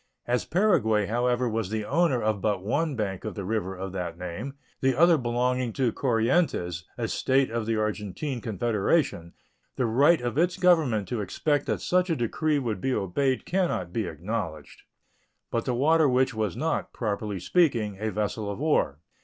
As Paraguay, however, was the owner of but one bank of the river of that name, the other belonging to Corientes, a State of the Argentine Confederation, the right of its Government to expect that such a decree would be obeyed can not be acknowledged. But the Water Witch was not, properly speaking, a vessel of war.